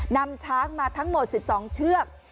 นำช้างมาทั้งหมด๑๒เชือก